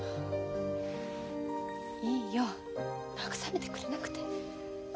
いいよ慰めてくれなくて。